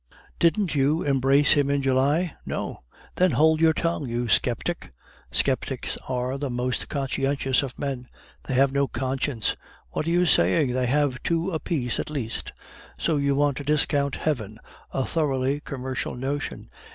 "Didn't you embrace him in July?" "No." "Then hold your tongue, you sceptic." "Sceptics are the most conscientious of men." "They have no conscience." "What are you saying? They have two apiece at least!" "So you want to discount heaven, a thoroughly commercial notion.